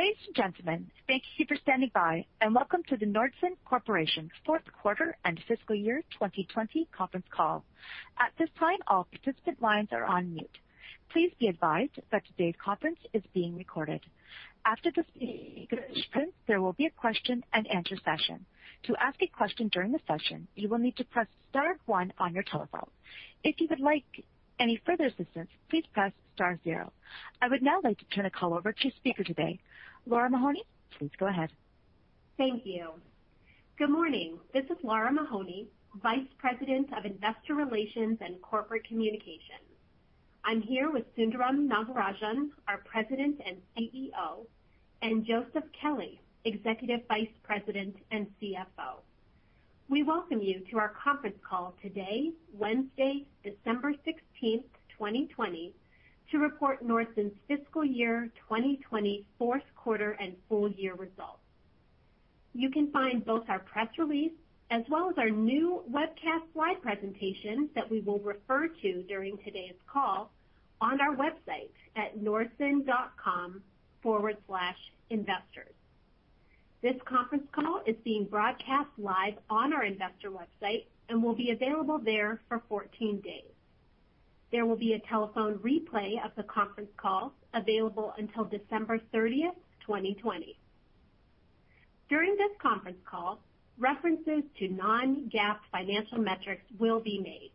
Ladies and gentlemen, thank you for standing by and welcome to the Nordson Corporation fourth quarter and fiscal year 2020 conference call. I would now like to turn the call over to speaker today. Lara Mahoney, please go ahead. Thank you. Good morning. This is Lara Mahoney, Vice President of Investor Relations and Corporate Communications. I'm here with Sundaram Nagarajan, our President and Chief Executive Officer, and Joseph Kelley, Executive Vice President and Chief Financial Officer. We welcome you to our conference call today, Wednesday, December 16th, 2020, to report Nordson's fiscal year 2020 fourth quarter and full year results. You can find both our press release as well as our new webcast slide presentation that we will refer to during today's call on our website at nordson.com/investors. This conference call is being broadcast live on our investor website and will be available there for 14 days. There will be a telephone replay of the conference call available until December 30th, 2020. During this conference call, references to non-GAAP financial metrics will be made.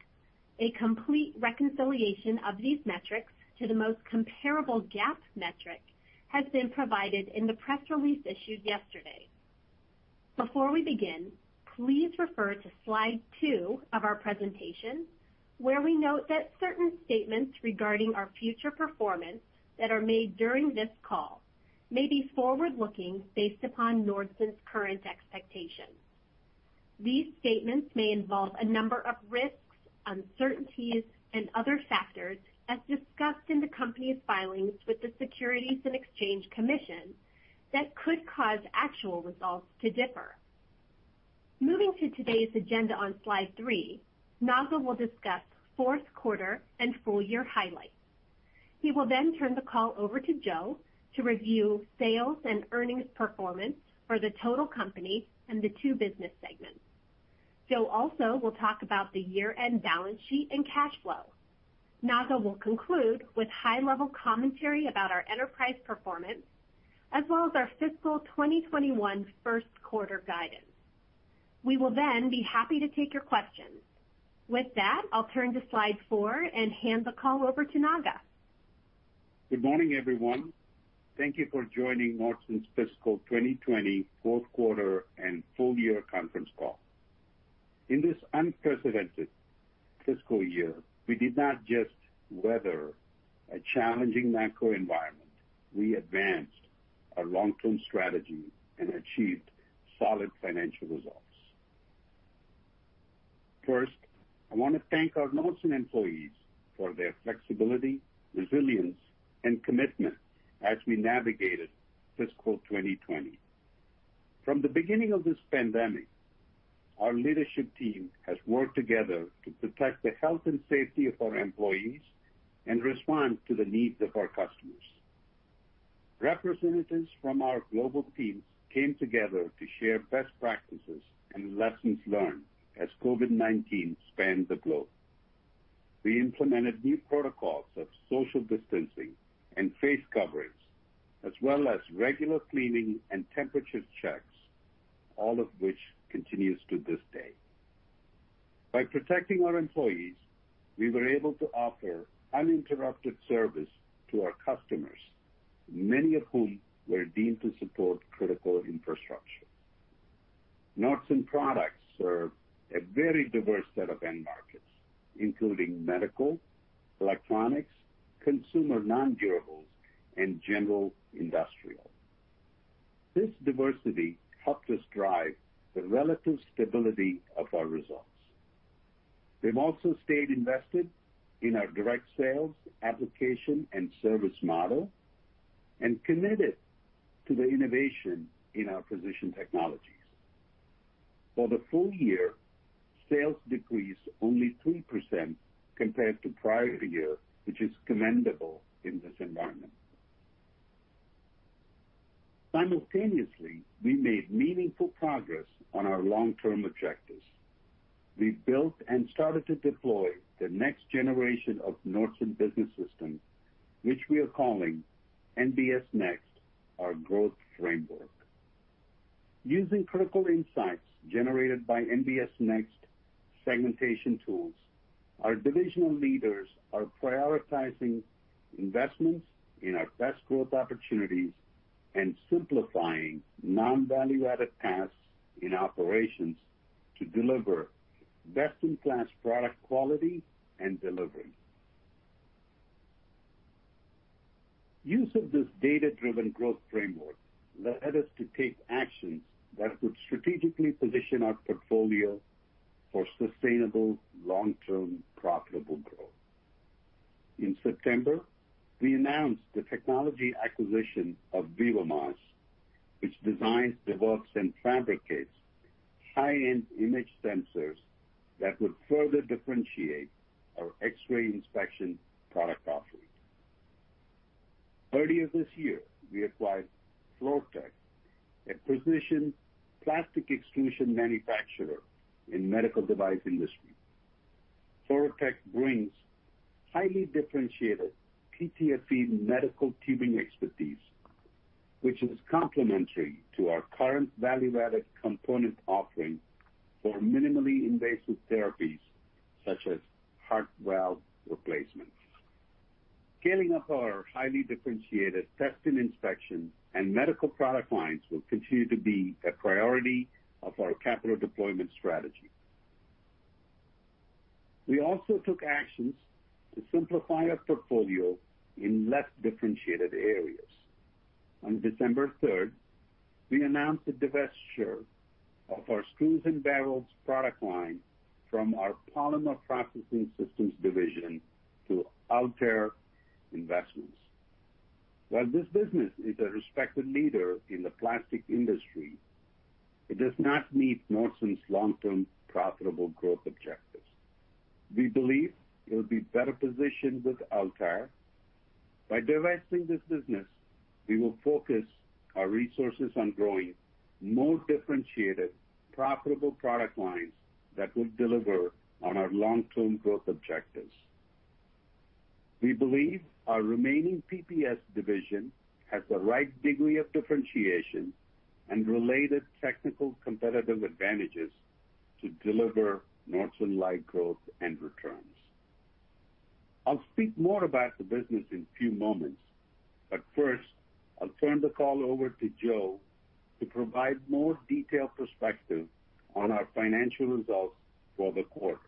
A complete reconciliation of these metrics to the most comparable GAAP metric has been provided in the press release issued yesterday. Before we begin, please refer to slide two of our presentation, where we note that certain statements regarding our future performance that are made during this call may be forward-looking based upon Nordson's current expectations. These statements may involve a number of risks, uncertainties, and other factors as discussed in the company's filings with the Securities and Exchange Commission that could cause actual results to differ. Moving to today's agenda on slide three, Naga will discuss fourth quarter and full year highlights. He will then turn the call over to Joe to review sales and earnings performance for the total company and the two business segments. Joe also will talk about the year-end balance sheet and cash flow. Naga will conclude with high-level commentary about our enterprise performance, as well as our fiscal 2021 first quarter guidance. We will then be happy to take your questions. With that, I'll turn to slide four and hand the call over to Naga. Good morning, everyone. Thank you for joining Nordson's fiscal 2020 fourth quarter and full year conference call. In this unprecedented fiscal year, we did not just weather a challenging macro environment, we advanced our long-term strategy and achieved solid financial results. First, I want to thank our Nordson employees for their flexibility, resilience, and commitment as we navigated fiscal 2020. From the beginning of this pandemic, our leadership team has worked together to protect the health and safety of our employees and respond to the needs of our customers. Representatives from our global teams came together to share best practices and lessons learned as COVID-19 spanned the globe. We implemented new protocols of social distancing and face coverings, as well as regular cleaning and temperature checks, all of which continues to this day. By protecting our employees, we were able to offer uninterrupted service to our customers, many of whom were deemed to support critical infrastructure. Nordson products serve a very diverse set of end markets, including medical, electronics, consumer non-durables, and general industrial. This diversity helped us drive the relative stability of our results. We've also stayed invested in our direct sales application and service model, and committed to the innovation in our precision technologies. For the full year, sales decreased only 3% compared to prior year, which is commendable in this environment. Simultaneously, we made meaningful progress on our long-term objectives. We built and started to deploy the next generation of Nordson Business System, which we are calling NBS Next, our growth framework. Using critical insights generated by NBS Next segmentation tools, our divisional leaders are prioritizing investments in our best growth opportunities and simplifying non-value-added tasks in operations to deliver best-in-class product quality and delivery. Use of this data-driven growth framework led us to take actions that would strategically position our portfolio for sustainable, long-term, profitable growth. In September, we announced the technology acquisition of vivaMOS, which designs, develops, and fabricates high-end image sensors that would further differentiate our X-ray inspection product offering. Earlier this year, we acquired Fluortek, a precision plastic extrusion manufacturer in medical device industry. Fluortek brings highly differentiated PTFE medical tubing expertise, which is complementary to our current value-added component offering for minimally invasive therapies such as heart valve replacements. Scaling up our highly differentiated test and inspection and medical product lines will continue to be a priority of our capital deployment strategy. We also took actions to simplify our portfolio in less differentiated areas. On December 3rd, we announced the divestiture of our screws and barrels product line from our Polymer Processing Systems division to Altair Investments. While this business is a respected leader in the plastic industry, it does not meet Nordson's long-term profitable growth objectives. We believe it will be better positioned with Altair. By divesting this business, we will focus our resources on growing more differentiated, profitable product lines that will deliver on our long-term growth objectives. We believe our remaining PPS division has the right degree of differentiation and related technical competitive advantages to deliver Nordson-like growth and returns. I'll speak more about the business in few moments, but first, I'll turn the call over to Joe to provide more detailed perspective on our financial results for the quarter.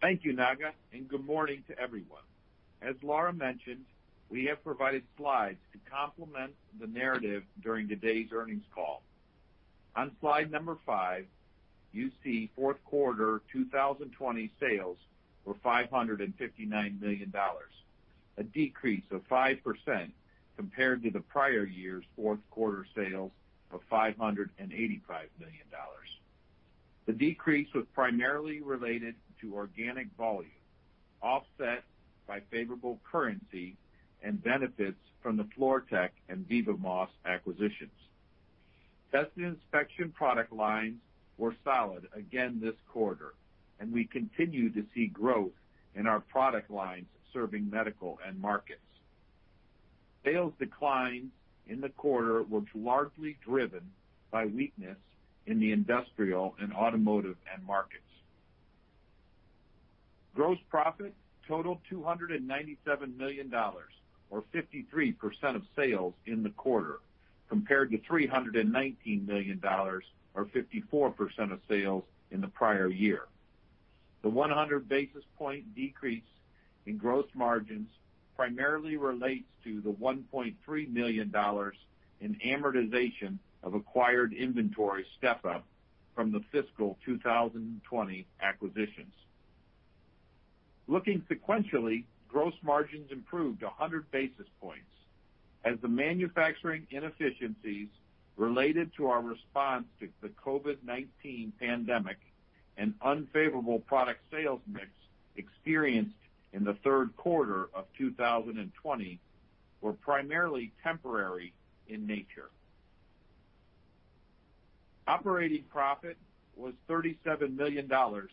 Thank you, Naga. Good morning to everyone. As Lara mentioned, we have provided slides to complement the narrative during today's earnings call. On slide number five, you see fourth quarter 2020 sales were $559 million, a decrease of 5% compared to the prior year's fourth quarter sales of $585 million. The decrease was primarily related to organic volume, offset by favorable currency and benefits from the Fluortek and vivaMOS acquisitions. Test and inspection product lines were solid again this quarter, and we continue to see growth in our product lines serving medical end markets. Sales declines in the quarter was largely driven by weakness in the industrial and automotive end markets. Gross profit totaled $297 million, or 53% of sales in the quarter, compared to $319 million, or 54% of sales in the prior year. The 100-basis point decrease in gross margins primarily relates to the $1.3 million in amortization of acquired inventory step-up from the fiscal 2020 acquisitions. Looking sequentially, gross margins improved 100 basis points as the manufacturing inefficiencies related to our response to the COVID-19 pandemic and unfavorable product sales mix experienced in the third quarter of 2020 were primarily temporary in nature. Operating profit was $37 million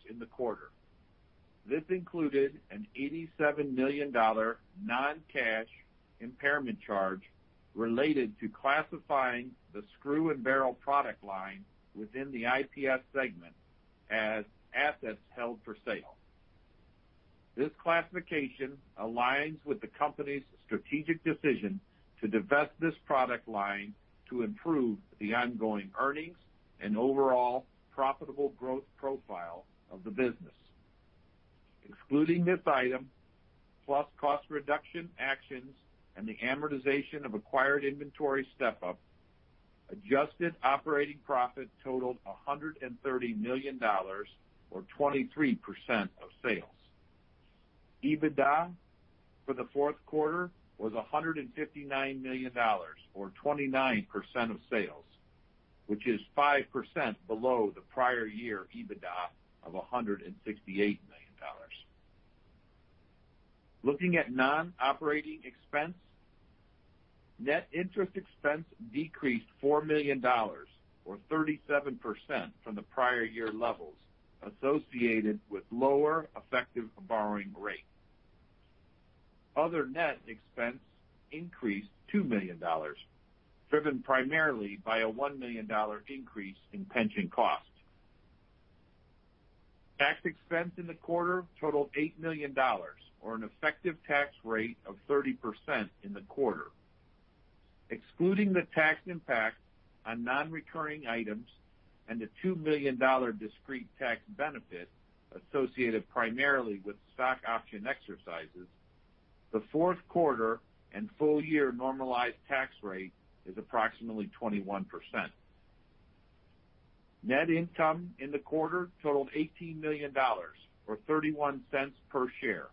in the quarter. This included an $87 million non-cash impairment charge related to classifying the screws and barrels product line within the IPS segment as assets held for sale. This classification aligns with the company's strategic decision to divest this product line to improve the ongoing earnings and overall profitable growth profile of the business. Excluding this item, plus cost reduction actions and the amortization of acquired inventory step-up, adjusted operating profit totaled $130 million, or 23% of sales. EBITDA for the fourth quarter was $159 million, or 29% of sales, which is 5% below the prior year EBITDA of $168 million. Looking at non-operating expense, net interest expense decreased $4 million, or 37% from the prior year levels associated with lower effective borrowing rate. Other net expense increased $2 million, driven primarily by a $1 million increase in pension costs. Tax expense in the quarter totaled $8 million, or an effective tax rate of 30% in the quarter. Excluding the tax impact on non-recurring items and the $2 million discrete tax benefit associated primarily with stock option exercises, the fourth quarter and full-year normalized tax rate is approximately 21%. Net income in the quarter totaled $18 million, or $0.31 per share.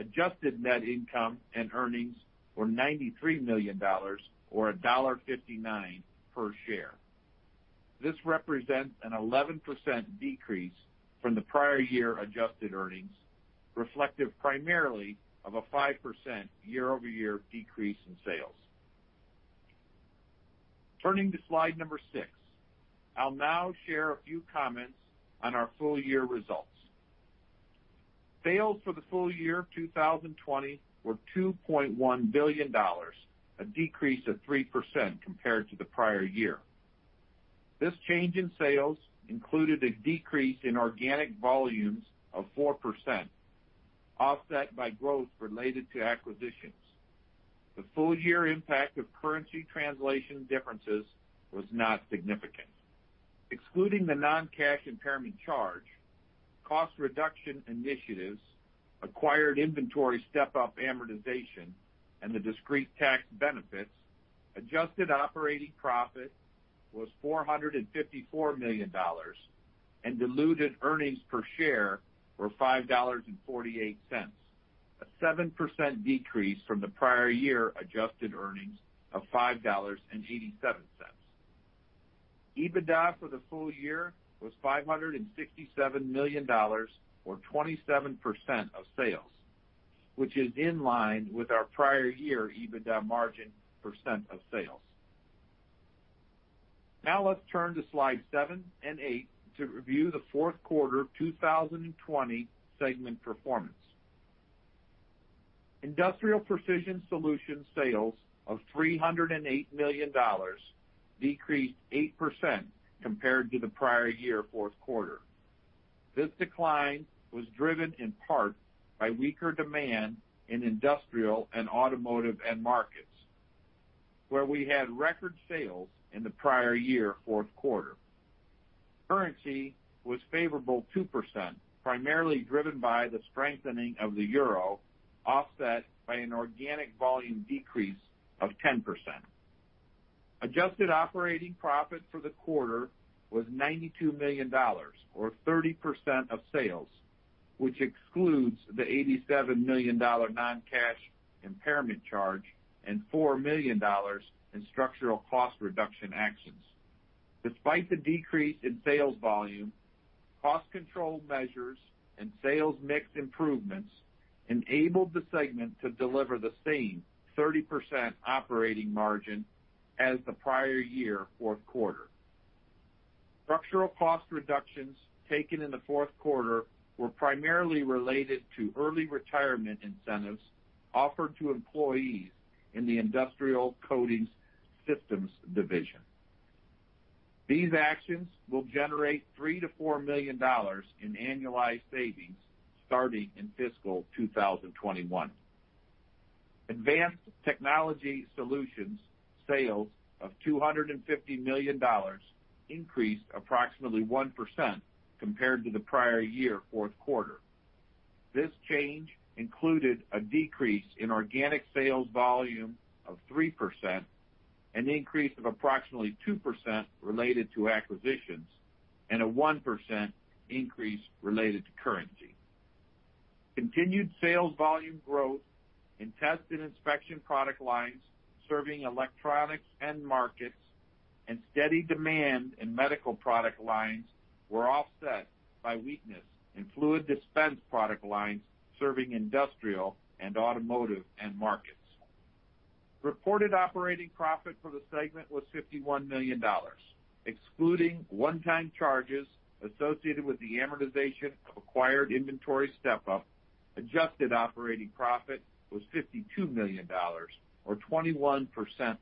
Adjusted net income and earnings were $93 million or $1.59 per share. This represents an 11% decrease from the prior year adjusted earnings, reflective primarily of a 5% year-over-year decrease in sales. Turning to slide number six. I'll now share a few comments on our full year results. Sales for the full year 2020 were $2.1 billion, a decrease of 3% compared to the prior year. This change in sales included a decrease in organic volumes of 4%, offset by growth related to acquisitions. The full year impact of currency translation differences was not significant. Excluding the non-cash impairment charge, cost reduction initiatives, acquired inventory step-up amortization, and the discrete tax benefits, adjusted operating profit was $454 million, and diluted earnings per share were $5.48, a 7% decrease from the prior year adjusted earnings of $5.87. EBITDA for the full year was $567 million or 27% of sales, which is in line with our prior year EBITDA margin percent of sales. Now let's turn to slide seven and eight to review the fourth quarter 2020 segment performance. Industrial Precision Solutions sales of $308 million decreased 8% compared to the prior year fourth quarter. This decline was driven in part by weaker demand in industrial and automotive end markets, where we had record sales in the prior year fourth quarter. Currency was favorable 2%, primarily driven by the strengthening of the euro, offset by an organic volume decrease of 10%. Adjusted operating profit for the quarter was $92 million or 30% of sales, which excludes the $87 million non-cash impairment charge and $4 million in structural cost reduction actions. Despite the decrease in sales volume, cost control measures and sales mix improvements enabled the segment to deliver the same 30% operating margin as the prior year fourth quarter. Structural cost reductions taken in the fourth quarter were primarily related to early retirement incentives offered to employees in the Industrial Coating Systems division. These actions will generate $3 million to $4 million in annualized savings starting in fiscal 2021. Advanced Technology Solutions sales of $250 million increased approximately 1% compared to the prior year fourth quarter. This change included a decrease in organic sales volume of 3%, an increase of approximately 2% related to acquisitions, and a 1% increase related to currency. Continued sales volume growth in test and inspection product lines serving electronics end markets and steady demand in medical product lines were offset by weakness in fluid dispense product lines serving industrial and automotive end markets. Reported operating profit for the segment was $51 million. Excluding one-time charges associated with the amortization of acquired inventory step-up, adjusted operating profit was $52 million or 21%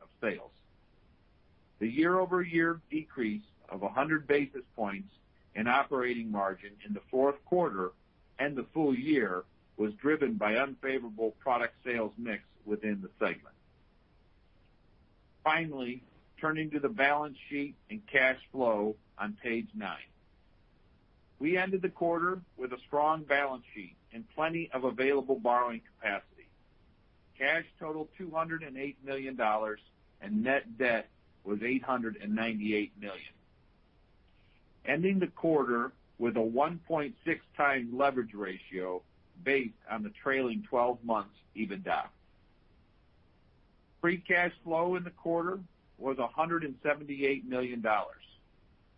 of sales. The year-over-year decrease of 100 basis points in operating margin in the fourth quarter and the full year was driven by unfavorable product sales mix within the segment. Finally, turning to the balance sheet and cash flow on page nine. We ended the quarter with a strong balance sheet and plenty of available borrowing capacity. Cash totaled $208 million, and net debt was $898 million. Ending the quarter with a 1.6x leverage ratio based on the trailing 12 months EBITDA. Free cash flow in the quarter was $178 million.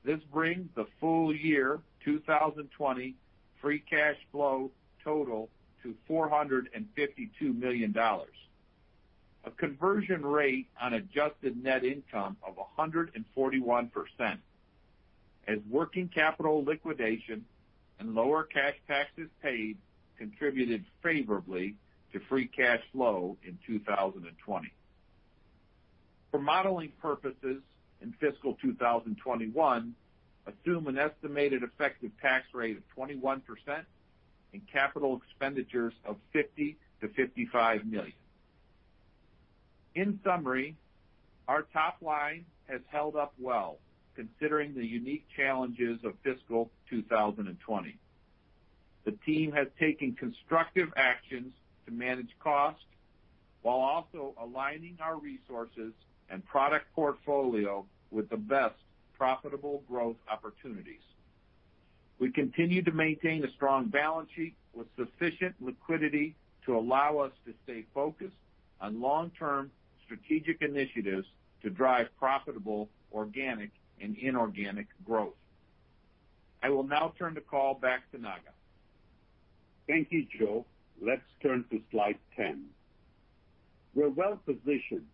This brings the full year 2020 free cash flow total to $452 million. A conversion rate on adjusted net income of 141%, as working capital liquidation and lower cash taxes paid contributed favorably to free cash flow in 2020. For modeling purposes in fiscal 2021, assume an estimated effective tax rate of 21% and capital expenditures of $50 million-$55 million. In summary, our top line has held up well considering the unique challenges of fiscal 2020. The team has taken constructive actions to manage cost while also aligning our resources and product portfolio with the best profitable growth opportunities. We continue to maintain a strong balance sheet with sufficient liquidity to allow us to stay focused on long-term strategic initiatives to drive profitable organic and inorganic growth. I will now turn the call back to Naga. Thank you, Joe. Let's turn to slide 10. We're well-positioned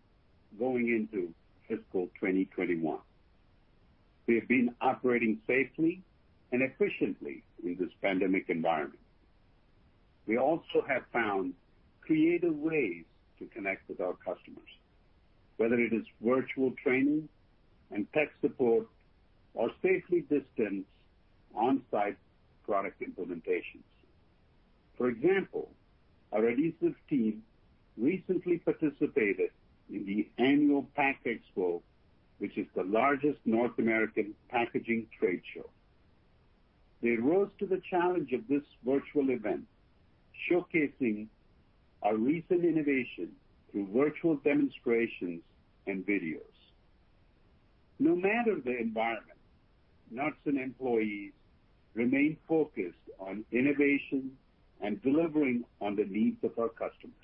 going into fiscal 2021. We have been operating safely and efficiently in this pandemic environment. We also have found creative ways to connect with our customers, whether it is virtual training and tech support or safely distanced on-site product implementations. For example, our adhesives team recently participated in the annual PACK EXPO, which is the largest North American packaging trade show. They rose to the challenge of this virtual event, showcasing our recent innovation through virtual demonstrations and videos. No matter the environment, Nordson employees remain focused on innovation and delivering on the needs of our customers.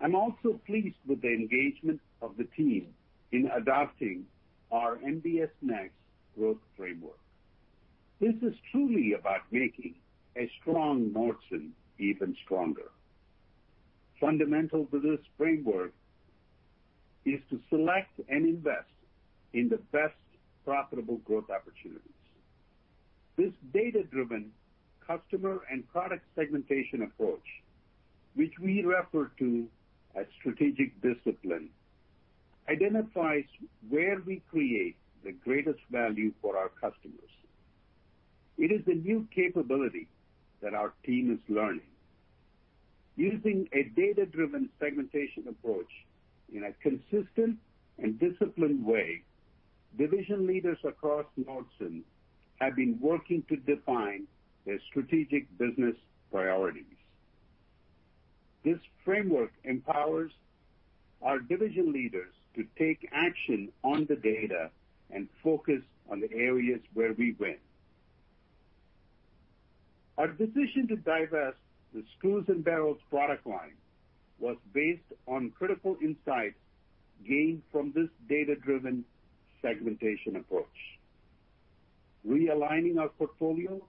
I'm also pleased with the engagement of the team in adopting our NBS Next growth framework. This is truly about making a strong Nordson even stronger. Fundamental to this framework is to select and invest in the best profitable growth opportunities. This data-driven customer and product segmentation approach, which we refer to as strategic discipline, identifies where we create the greatest value for our customers. It is a new capability that our team is learning. Using a data-driven segmentation approach in a consistent and disciplined way, division leaders across Nordson have been working to define their strategic business priorities. This framework empowers our division leaders to take action on the data and focus on the areas where we win. Our decision to divest the screws and barrels product line was based on critical insights gained from this data-driven segmentation approach. Realigning our portfolio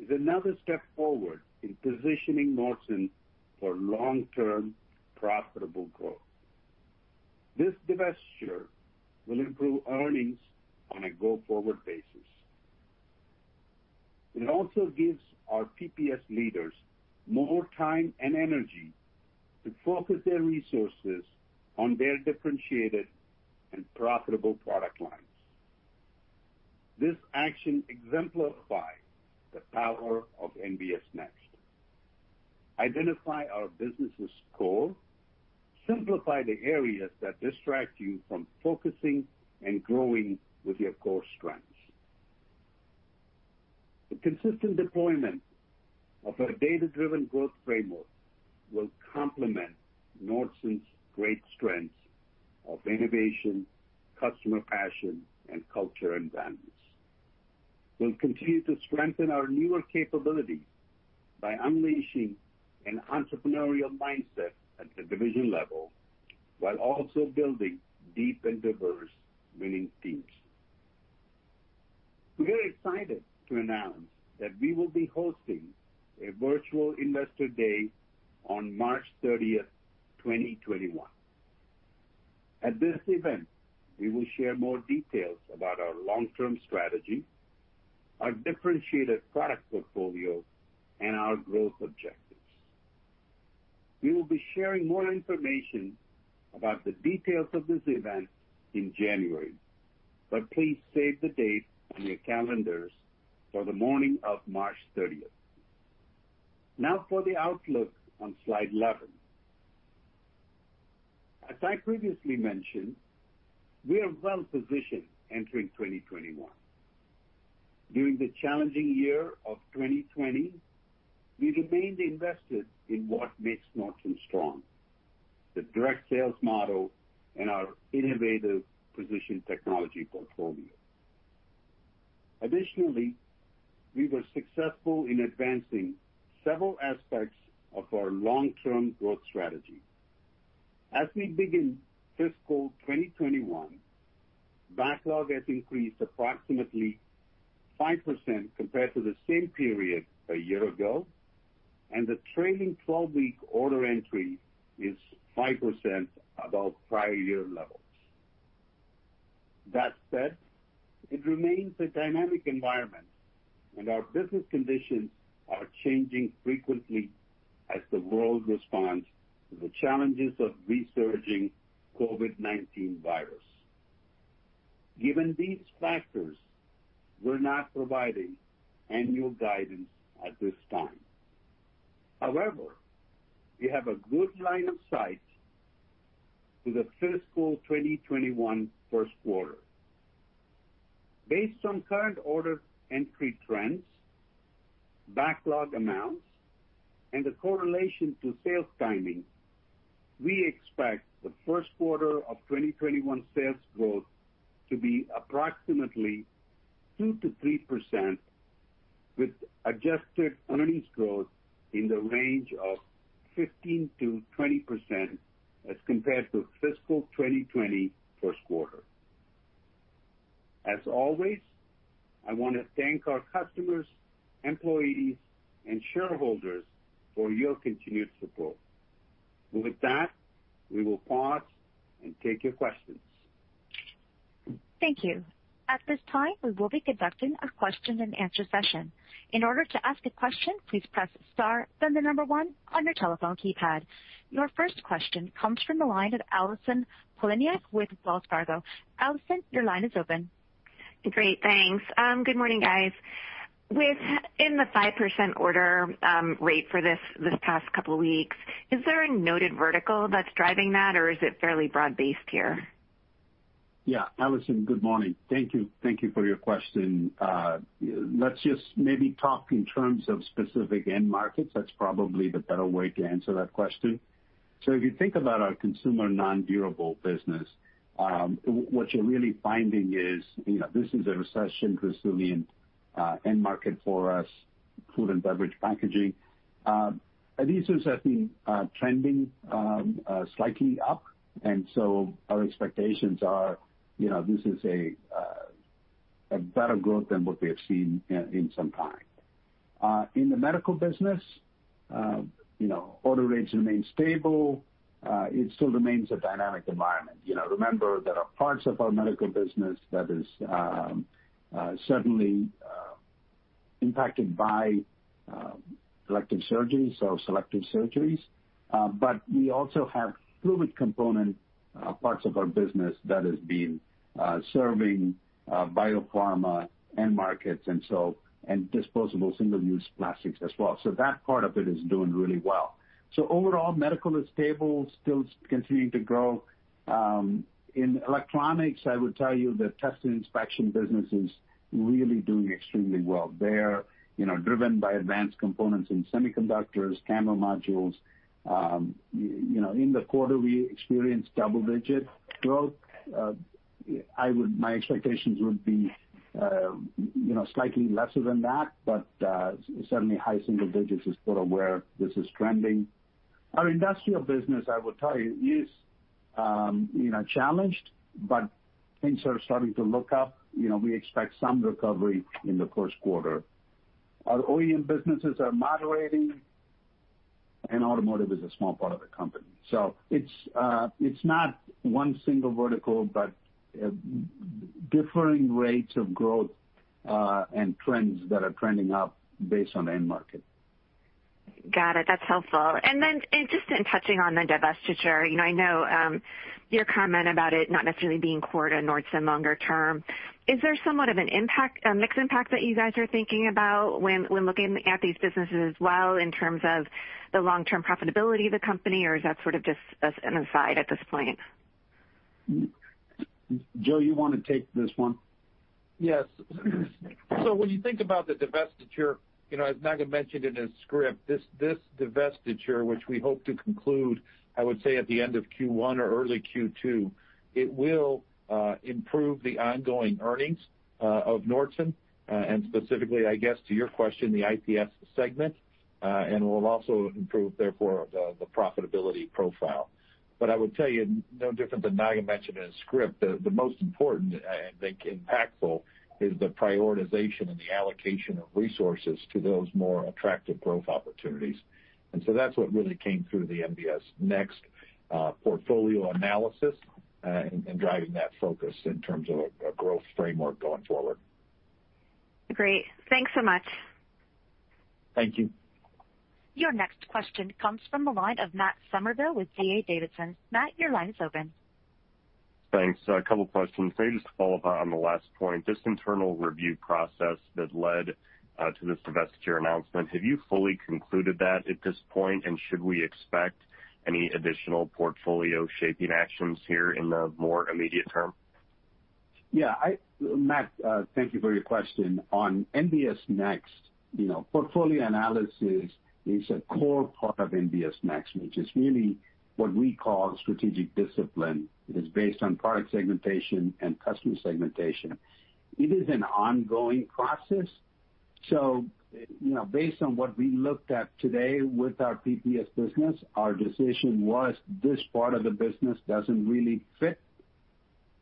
is another step forward in positioning Nordson for long-term profitable growth. This divestiture will improve earnings on a go-forward basis. It also gives our PPS leaders more time and energy to focus their resources on their differentiated and profitable product lines. This action exemplifies the power of NBS Next. Identify our business' core, simplify the areas that distract you from focusing and growing with your core strengths. The consistent deployment of a data-driven growth framework will complement Nordson's great strengths of innovation, customer passion, and culture and values. We'll continue to strengthen our newer capabilities by unleashing an entrepreneurial mindset at the division level, while also building deep and diverse winning teams. We're excited to announce that we will be hosting a virtual Investor Day on March 30th, 2021. At this event, we will share more details about our long-term strategy, our differentiated product portfolio, and our growth objectives. We will be sharing more information about the details of this event in January, but please save the date on your calendars for the morning of March 30th. Now for the outlook on slide 11. As I previously mentioned, we are well-positioned entering 2021. During the challenging year of 2020, we remained invested in what makes Nordson strong, the direct sales model, and our innovative precision technology portfolio. Additionally, we were successful in advancing several aspects of our long-term growth strategy. As we begin fiscal 2021, backlog has increased approximately 5% compared to the same period a year ago, and the trailing 12-week order entry is 5% above prior year levels. That said, it remains a dynamic environment, and our business conditions are changing frequently as the world responds to the challenges of resurging COVID-19 virus. Given these factors, we're not providing annual guidance at this time. We have a good line of sight to the fiscal 2021 first quarter. Based on current order entry trends, backlog amounts, and the correlation to sales timing, we expect the first quarter of 2021 sales growth to be approximately 2%-3%, with adjusted earnings growth in the range of 15%-20% as compared to fiscal 2020 first quarter. As always, I want to thank our customers, employees, and shareholders for your continued support. With that, we will pause and take your questions. Thank you. At this time, we will be conducting a question-and-answer session. In order to ask a question, please press star, then the number one on your telephone keypad. Your first question comes from the line of Allison Poliniak with Wells Fargo. Allison, your line is open. Great. Thanks. Good morning, guys. Within the 5% order rate for this past couple of weeks, is there a noted vertical that's driving that or is it fairly broad-based here? Yeah, Allison, good morning. Thank you for your question. Let's just maybe talk in terms of specific end markets. That's probably the better way to answer that question. If you think about our consumer nondurable business, what you're really finding is this is a recession-resilient end market for us, food and beverage packaging. This is, I think, trending slightly up. Our expectations are this is a better growth than what we have seen in some time. In the medical business, order rates remain stable. It still remains a dynamic environment. Remember, there are parts of our medical business that is certainly impacted by elective surgeries or selective surgeries. We also have fluid component parts of our business that has been serving biopharma end markets and disposable single-use plastics as well. That part of it is doing really well. Overall, medical is stable, still continuing to grow. In electronics, I would tell you the test and inspection business is really doing extremely well. They're driven by advanced components in semiconductors, camera modules. In the quarter, we experienced double-digit growth. My expectations would be slightly lesser than that, but certainly high single digits is sort of where this is trending. Our industrial business, I would tell you, is challenged, but things are starting to look up. We expect some recovery in the first quarter. Our OEM businesses are moderating, and automotive is a small part of the company. It's not one single vertical, but differing rates of growth, and trends that are trending up based on end market. Got it. That's helpful. Just in touching on the divestiture, I know your comment about it not necessarily being core to Nordson longer term, is there somewhat of a mixed impact that you guys are thinking about when looking at these businesses as well in terms of the long-term profitability of the company, or is that sort of just an aside at this point? Joe, you want to take this one? Yes. When you think about the divestiture, as Naga mentioned in his script, this divestiture, which we hope to conclude, I would say at the end of Q1 or early Q2, it will improve the ongoing earnings of Nordson. Specifically, I guess to your question, the IPS segment, and will also improve, therefore, the profitability profile. I would tell you, no different than Naga mentioned in his script, the most important and impactful is the prioritization and the allocation of resources to those more attractive growth opportunities. That's what really came through the NBS Next portfolio analysis, and driving that focus in terms of a growth framework going forward. Great. Thanks so much. Thank you. Your next question comes from the line of Matt Summerville with D.A. Davidson. Matt, your line is open. Thanks. A couple questions. Maybe just to follow up on the last point, this internal review process that led to this divestiture announcement, have you fully concluded that at this point, and should we expect any additional portfolio shaping actions here in the more immediate term? Matt, thank you for your question. On NBS Next, portfolio analysis is a core part of NBS Next, which is really what we call strategic discipline. It is based on product segmentation and customer segmentation. It is an ongoing process. Based on what we looked at today with our PPS business, our decision was this part of the business doesn't really fit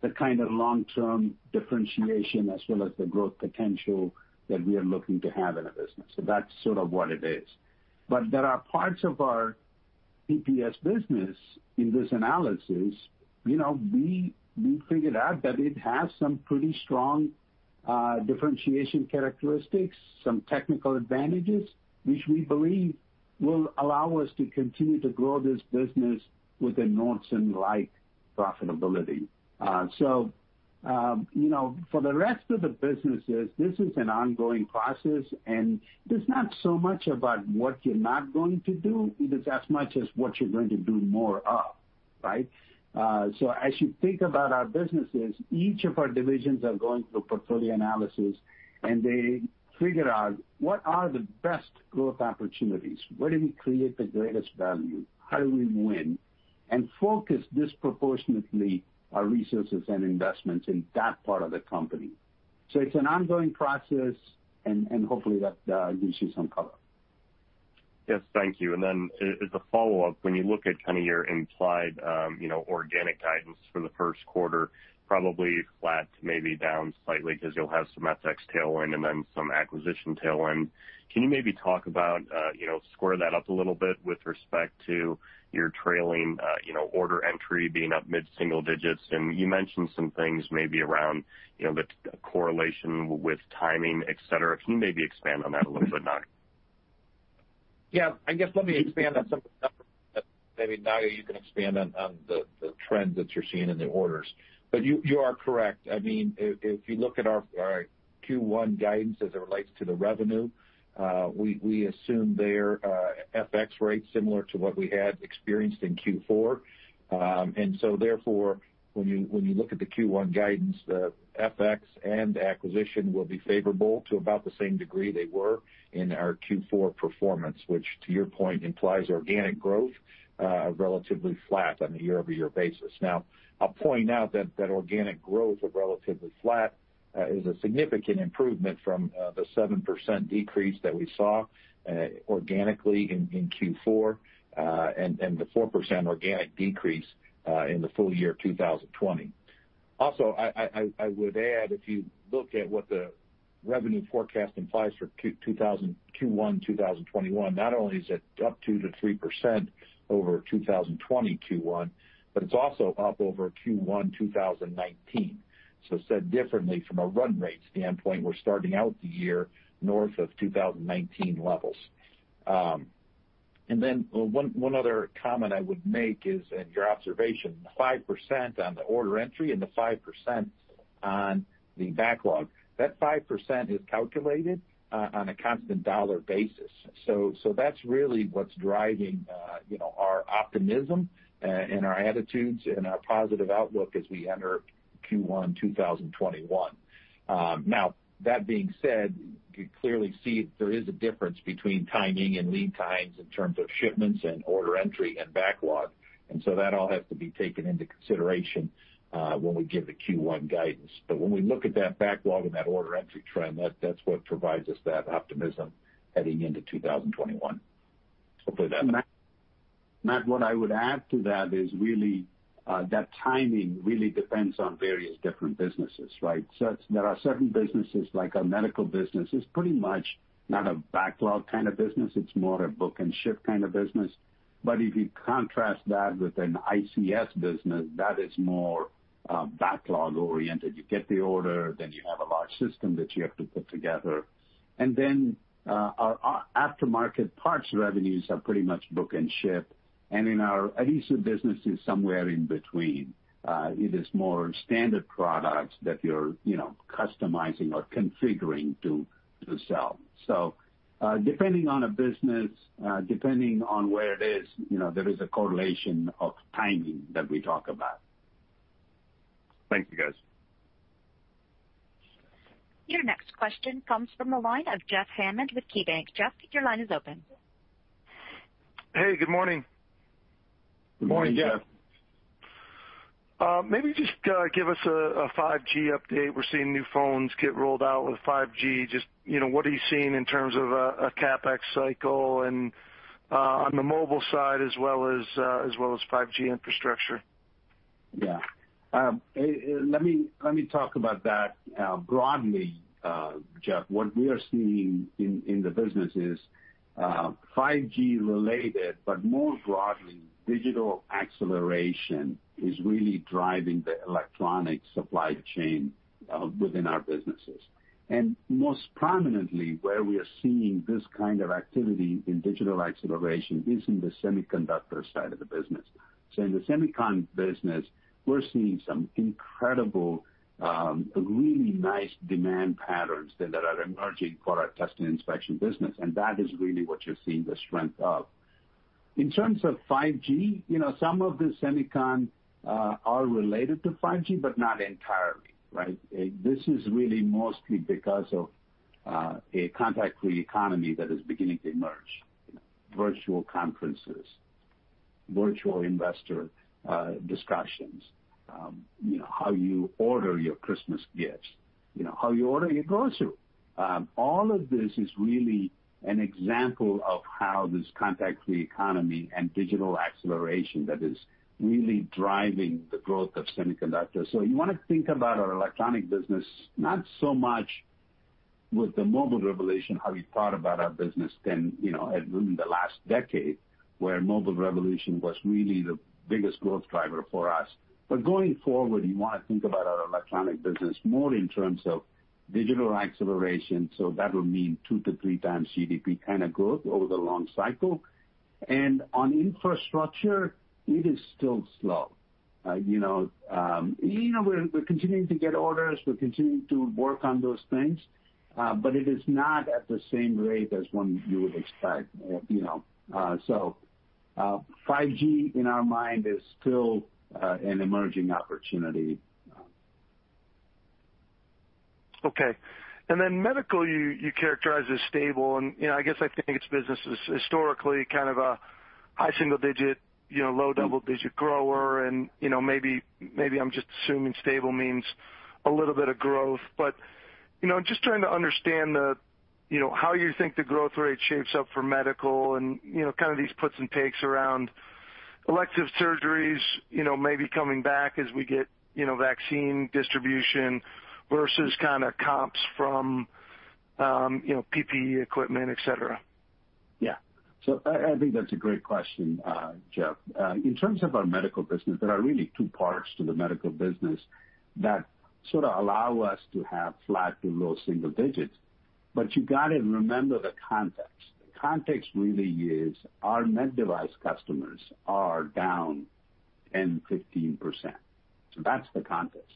the kind of long-term differentiation as well as the growth potential that we are looking to have in a business. That's sort of what it is. There are parts of our PPS business in this analysis, we figured out that it has some pretty strong differentiation characteristics, some technical advantages, which we believe will allow us to continue to grow this business with a Nordson-like profitability. For the rest of the businesses, this is an ongoing process, and it's not so much about what you're not going to do, it is as much as what you're going to do more of. As you think about our businesses, each of our divisions are going through a portfolio analysis, and they figure out what are the best growth opportunities, where do we create the greatest value, how do we win, and focus disproportionately our resources and investments in that part of the company. It's an ongoing process, and hopefully that gives you some color. Yes. Thank you. As a follow-up, when you look at your implied organic guidance for the 1st quarter, probably flat, maybe down slightly because you'll have some FX tailwind and then some acquisition tailwind. Can you maybe square that up a little bit with respect to your trailing order entry being up mid-single digits? You mentioned some things maybe around the correlation with timing, et cetera. Can you maybe expand on that a little bit about it? Yeah. I guess let me expand on some of the numbers. Maybe, Naga, you can expand on the trends that you're seeing in the orders. You are correct. If you look at our Q1 guidance as it relates to the revenue, we assume their FX rates similar to what we had experienced in Q4. When you look at the Q1 guidance, the FX and acquisition will be favorable to about the same degree they were in our Q4 performance, which, to your point, implies organic growth, relatively flat on a year-over-year basis. Now, I'll point out that that organic growth of relatively flat is a significant improvement from the 7% decrease that we saw organically in Q4, and the 4% organic decrease in the full year 2020. Also, I would add, if you look at what the revenue forecast implies for Q1 2021, not only is it up 2%-3% over 2020 Q1, but it's also up over Q1 2019. Said differently, from a run rate standpoint, we're starting out the year north of 2019 levels. One other comment I would make is in your observation, the 5% on the order entry and the 5% on the backlog. That 5% is calculated on a constant dollar basis. That's really what's driving our optimism and our attitudes and our positive outlook as we enter Q1 2021. Now that being said, you clearly see there is a difference between timing and lead times in terms of shipments and order entry and backlog, that all has to be taken into consideration when we give the Q1 guidance. When we look at that backlog and that order entry trend, that's what provides us that optimism heading into 2021. Matt, what I would add to that is really that timing really depends on various different businesses. There are certain businesses, like our medical business, is pretty much not a backlog kind of business. It's more a book and ship kind of business. If you contrast that with an ICS business, that is more backlog-oriented. You get the order, you have a large system that you have to put together. Our aftermarket parts revenues are pretty much book and ship. In our adhesive business is somewhere in between. It is more standard products that you're customizing or configuring to sell. Depending on a business, depending on where it is, there is a correlation of timing that we talk about. Thank you, guys. Your next question comes from the line of Jeff Hammond with KeyBanc. Jeff, your line is open. Hey, good morning. Good morning, Jeff. Morning, Jeff. Maybe just give us a 5G update. We're seeing new phones get rolled out with 5G. Just what are you seeing in terms of a CapEx cycle and on the mobile side, as well as 5G infrastructure? Yeah. Let me talk about that broadly, Jeff. What we are seeing in the business is 5G-related, but more broadly, digital acceleration is really driving the electronic supply chain within our businesses. Most prominently, where we are seeing this kind of activity in digital acceleration is in the semiconductor side of the business. In the semicon business, we're seeing some incredible, really nice demand patterns that are emerging for our test and inspection business, and that is really what you're seeing the strength of. In terms of 5G, some of the semicon are related to 5G, but not entirely. This is really mostly because of a contact-free economy that is beginning to emerge. Virtual conferences, virtual investor discussions, how you order your Christmas gifts, how you order your grocery. All of this is really an example of how this contact-free economy and digital acceleration that is really driving the growth of semiconductors. You want to think about our electronic business, not so much with the mobile revolution, how we thought about our business then in the last decade, where mobile revolution was really the biggest growth driver for us. Going forward, you want to think about our electronic business more in terms of digital acceleration. That would mean 2x to 3x GDP kind of growth over the long cycle. On infrastructure, it is still slow. We're continuing to get orders, we're continuing to work on those things, but it is not at the same rate as one you would expect. 5G, in our mind, is still an emerging opportunity. Okay. Then medical, you characterize as stable, and I guess I think it's business as historically kind of a high single-digit, low double-digit grower. Maybe I'm just assuming stable means a little bit of growth. Just trying to understand how you think the growth rate shapes up for medical and kind of these puts and takes around elective surgeries maybe coming back as we get vaccine distribution versus comps from PPE equipment, et cetera. Yeah. I think that's a great question, Jeff. In terms of our medical business, there are really two parts to the medical business that sort of allow us to have flat to low single digits. You got to remember the context. The context really is our med device customers are down 10%, 15%. That's the context.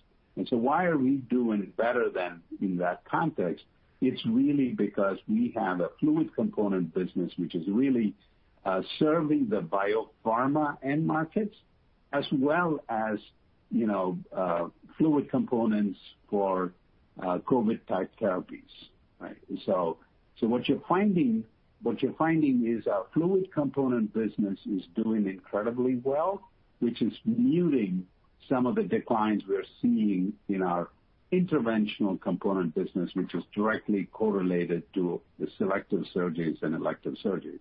Why are we doing better than in that context? It's really because we have a fluid component business, which is really serving the biopharma end markets as well as fluid components for COVID-type therapies. Right? What you're finding is our fluid component business is doing incredibly well, which is muting some of the declines we're seeing in our interventional component business, which is directly correlated to the selective surgeries and elective surgeries.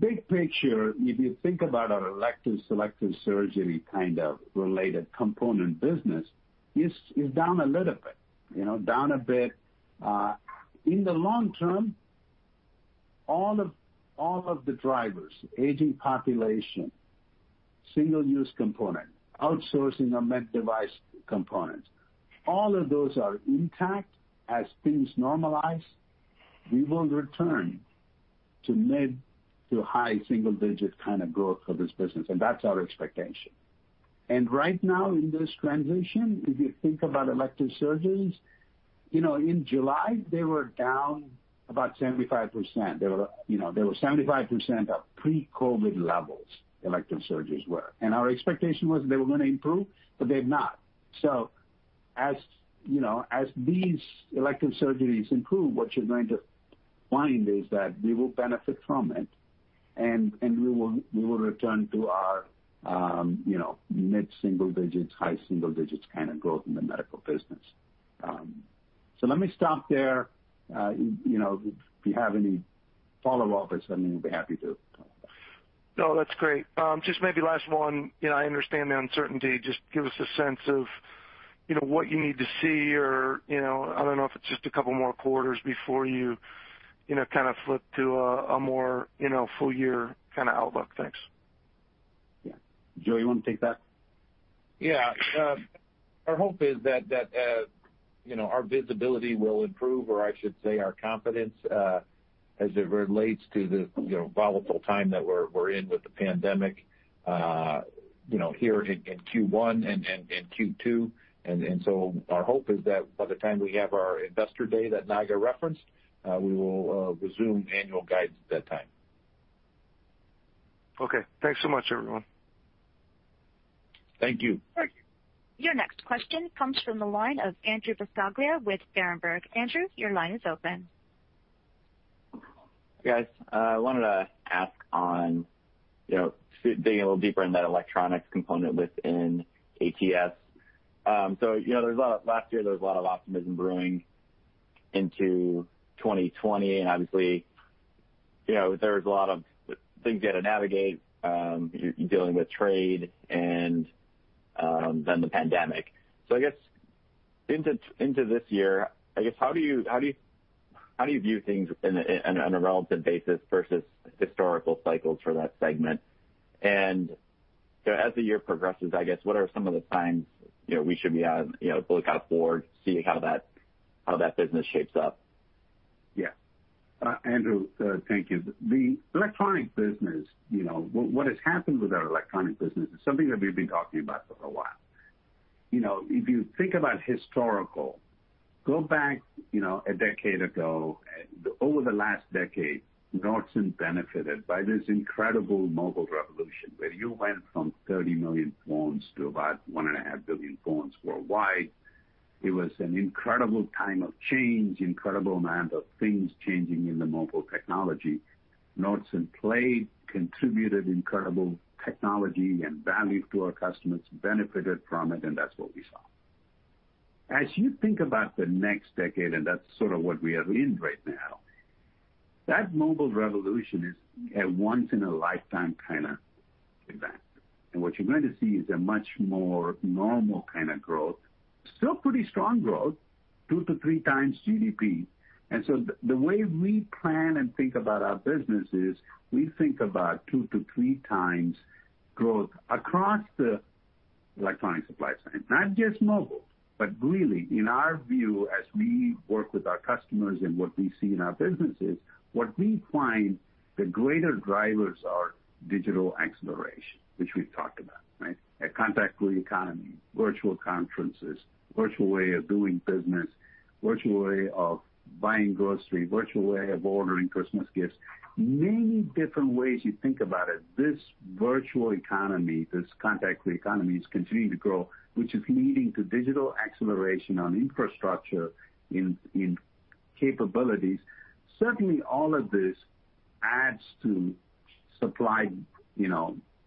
Big picture, if you think about our elective, selective surgery kind of related component business, is down a little bit. Down a bit. In the long term, all of the drivers, aging population, single-use component, outsourcing of med device components, all of those are intact. As things normalize, we will return to mid-to-high single-digit kind of growth for this business, and that's our expectation. Right now in this transition, if you think about elective surgeries, in July, they were down about 75%. They were 75% of pre-COVID-19 levels, elective surgeries were. Our expectation was they were going to improve, but they've not. As these elective surgeries improve, what you're going to find is that we will benefit from it. We will return to our mid-single digits, high single digits kind of growth in the medical business. Let me stop there. If you have any follow-ups, I mean, we'd be happy to. No, that's great. Just maybe last one. I understand the uncertainty. Just give us a sense of what you need to see or I don't know if it's just a couple more quarters before you kind of flip to a more full-year kind of outlook. Thanks. Yeah. Joe, you want to take that? Our hope is that our visibility will improve, or I should say our confidence, as it relates to the volatile time that we're in with the pandemic here in Q1 and Q2. Our hope is that by the time we have our investor day that Naga referenced, we will resume annual guidance at that time. Okay. Thanks so much, everyone. Thank you. Thank you. Your next question comes from the line of Andrew Buscaglia with Berenberg. Andrew, your line is open. Guys, I wanted to ask on digging a little deeper in that electronics component within ATS. Last year there was a lot of optimism brewing into 2020, and obviously, there's a lot of things you had to navigate, dealing with trade and then the pandemic. I guess into this year, how do you view things on a relative basis versus historical cycles for that segment? As the year progresses, I guess, what are some of the signs we should be on the lookout for to see how that business shapes up? Yeah. Andrew, thank you. The electronics business, what has happened with our electronics business is something that we've been talking about for a while. If you think about historical, go back a decade ago. Over the last decade, Nordson benefited by this incredible mobile revolution, where you went from 30 million phones to about one and a half billion phones worldwide. It was an incredible time of change, incredible amount of things changing in the mobile technology. Nordson played, contributed incredible technology and value to our customers, benefited from it, that's what we saw. As you think about the next decade, that's sort of what we are in right now, that mobile revolution is a once in a lifetime kind of event. What you're going to see is a much more normal kind of growth. Still pretty strong growth, 2x to 3x GDP. The way we plan and think about our business is we think about 2x to 3x growth across the electronic supply chain, not just mobile, but really in our view, as we work with our customers and what we see in our businesses, what we find the greater drivers are digital acceleration, which we've talked about, right. A contactless economy, virtual conferences, virtual way of doing business, virtual way of buying grocery, virtual way of ordering Christmas gifts, many different ways you think about it. This virtual economy, this contactless economy, is continuing to grow, which is leading to digital acceleration on infrastructure and capabilities. Certainly, all of this adds to supply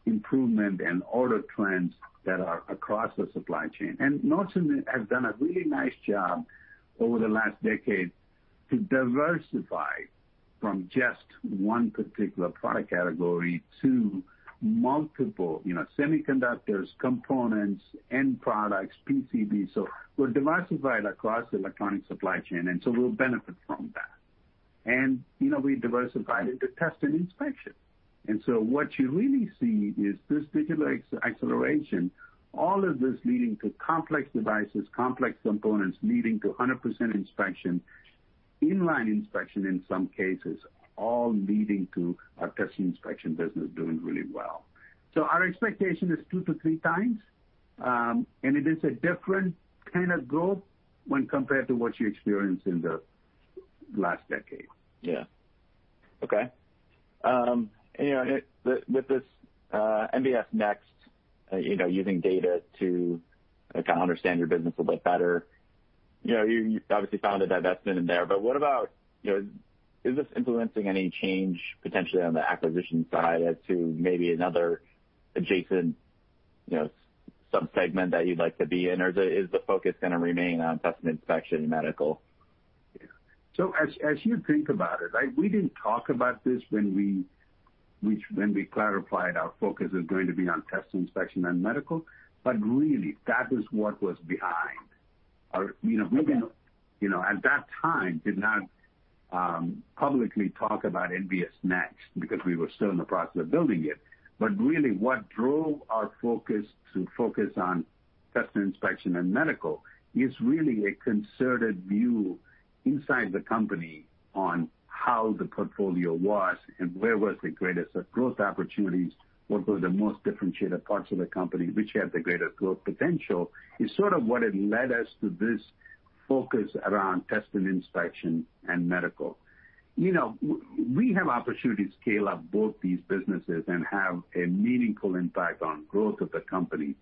improvement and order trends that are across the supply chain. Nordson has done a really nice job over the last decade to diversify from just one particular product category to multiple, semiconductors, components, end products, PCB. We're diversified across the electronic supply chain, and so we'll benefit from that. We diversified into test and inspection. What you really see is this digital acceleration, all of this leading to complex devices, complex components, leading to 100% inspection, inline inspection in some cases, all leading to our test and inspection business doing really well. Our expectation is 2x to 3x, and it is a different kind of growth when compared to what you experienced in the last decade. Yeah. Okay. With this NBS Next, using data to understand your business a bit better. You obviously found a divestment in there, but what about, is this influencing any change potentially on the acquisition side as to maybe another adjacent sub-segment that you'd like to be in? Is the focus going to remain on test and inspection medical? Yeah. As you think about it, we didn't talk about this when we clarified our focus is going to be on test and inspection and medical, but really that was what was behind, maybe, at that time, did not publicly talk about NBS Next because we were still in the process of building it. Really what drove our focus to focus on test and inspection and medical is really a concerted view inside the company on how the portfolio was and where was the greatest growth opportunities, what were the most differentiated parts of the company, which had the greatest growth potential, is sort of what had led us to this focus around test and inspection and medical. We have opportunities to scale up both these businesses and have a meaningful impact on growth of the company.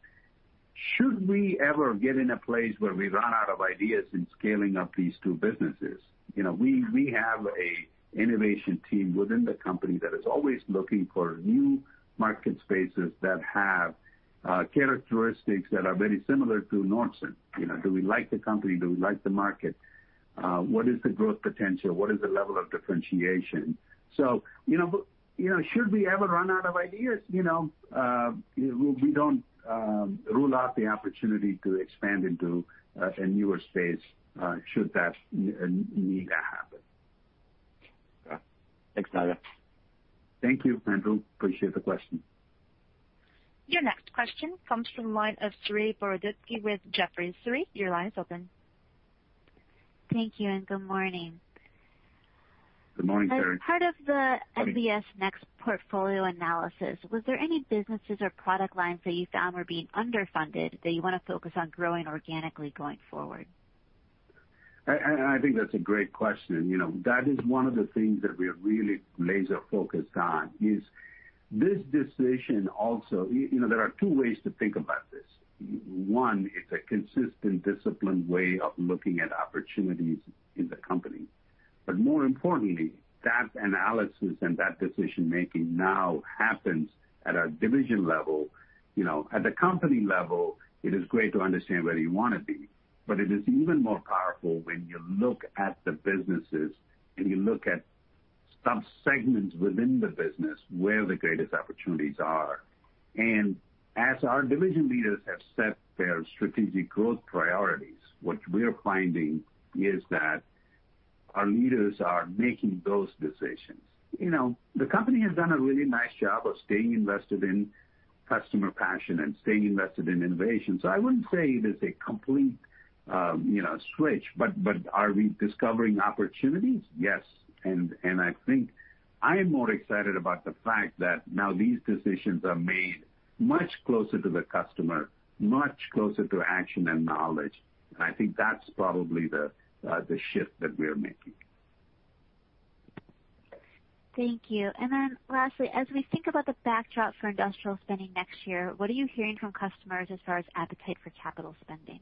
Should we ever get in a place where we run out of ideas in scaling up these two businesses, we have an innovation team within the company that is always looking for new market spaces that have characteristics that are very similar to Nordson. Do we like the company? Do we like the market? What is the growth potential? What is the level of differentiation? Should we ever run out of ideas, we don't rule out the opportunity to expand into a newer space, should that need to happen. Okay. Thanks, Naga. Thank you, Andrew. Appreciate the question. Your next question comes from the line of Saree Boroditsky with Jefferies. Saree, your line's open. Thank you and good morning. Good morning, Saree. As part of the NBS Next portfolio analysis, was there any businesses or product lines that you found were being underfunded that you want to focus on growing organically going forward? I think that's a great question. That is one of the things that we are really laser-focused on, is this decision. Also, there are two ways to think about this. One, it's a consistent, disciplined way of looking at opportunities in the company. More importantly, that analysis and that decision-making now happens at a division level. At the company level, it is great to understand where you want to be, but it is even more powerful when you look at the businesses and you look at sub-segments within the business where the greatest opportunities are. As our division leaders have set their strategic growth priorities, what we're finding is that our leaders are making those decisions. The company has done a really nice job of staying invested in customer passion and staying invested in innovation. I wouldn't say it is a complete switch, but are we discovering opportunities? Yes. I think I am more excited about the fact that now these decisions are made much closer to the customer, much closer to action and knowledge. I think that's probably the shift that we're making. Thank you. Then lastly, as we think about the backdrop for industrial spending next year, what are you hearing from customers as far as appetite for capital spending?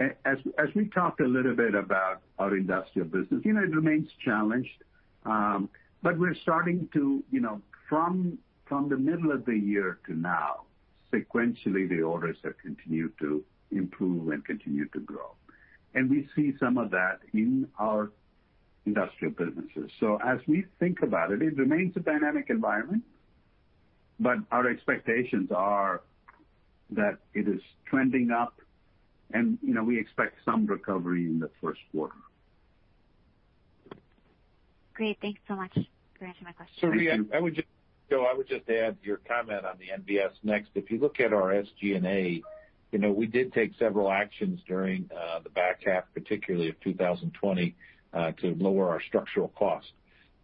As we talked a little bit about our industrial business, it remains challenged. From the middle of the year to now, sequentially, the orders have continued to improve and continue to grow. We see some of that in our industrial businesses. As we think about it remains a dynamic environment, but our expectations are that it is trending up and we expect some recovery in the first quarter. Great. Thanks so much for answering my question. Sure. Thank you. I would just add to your comment on the NBS Next, if you look at our SG&A, we did take several actions during the back half, particularly of 2020, to lower our structural cost.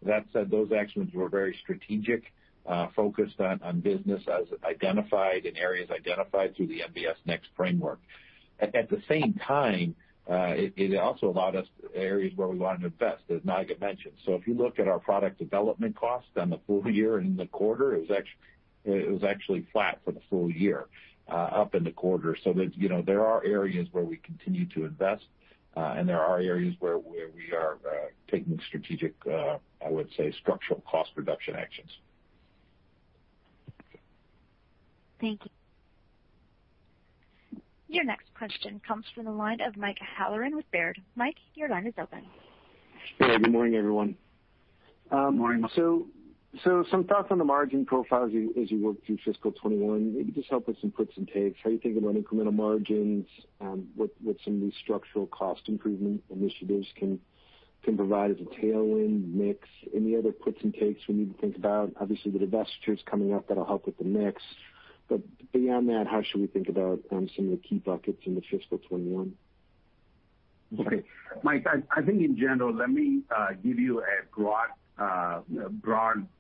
That said, those actions were very strategic, focused on business as identified and areas identified through the NBS Next framework. At the same time, it also allowed us areas where we want to invest, as Naga mentioned. If you look at our product development costs on the full year and the quarter, it was actually flat for the full year, up in the quarter. There are areas where we continue to invest, and there are areas where we are taking strategic, I would say structural cost reduction actions. Thank you. Your next question comes from the line of Michael Halloran with Baird. Mike, your line is open. Hey, good morning, everyone. Good morning, Mike. Some thoughts on the margin profile as you work through fiscal 2021, maybe just help with some puts and takes, how you think about incremental margins, what some of these structural cost improvement initiatives can provide as a tailwind mix. Any other puts and takes we need to think about? Obviously, the divestitures coming up that will help with the mix. Beyond that, how should we think about some of the key buckets in the fiscal 2021? Okay. Mike, I think in general, let me give you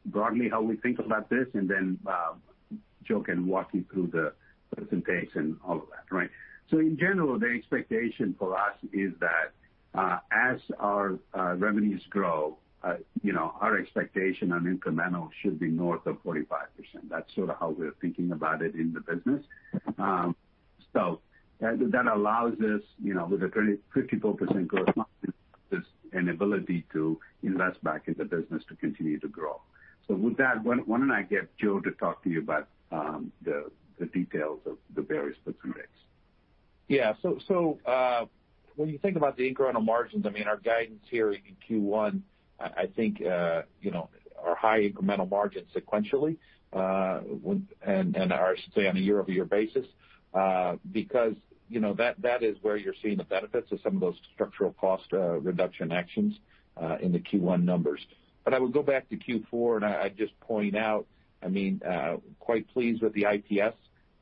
broadly how we think about this and then Joe can walk you through the presentation, all of that. Right. In general, the expectation for us is that as our revenues grow, our expectation on incremental should be north of 45%. That's sort of how we're thinking about it in the business. That allows us, with a 34% gross margin, an ability to invest back in the business to continue to grow. With that, why don't I get Joe to talk to you about the details of the various mix. Yeah. When you think about the incremental margins, our guidance here in Q1, I think our high incremental margins sequentially, and I should say on a year-over-year basis, because that is where you're seeing the benefits of some of those structural cost reduction actions in the Q1 numbers. I would go back to Q4, and I'd just point out, quite pleased with the IPS